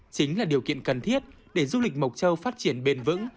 chính là điều kiện cần thiết để du lịch mộc châu phát triển bền vững